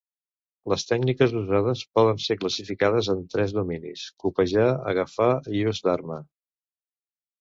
Les tècniques usades poden ser classificades en tres dominis: copejar, agafar, i ús d'arma.